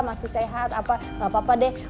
masih sehat apa gak apa apa deh